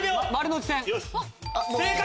正解！